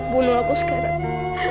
bunuh aku sekarang